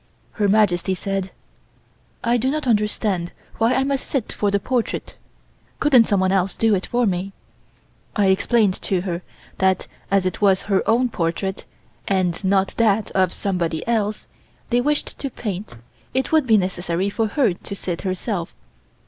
Her Majesty said: "I do not understand why I must sit for the portrait Couldn't someone else do it for me." I explained to her that as it was her own portrait, and not that of somebody else, they wished to paint, it would be necessary for her to sit herself.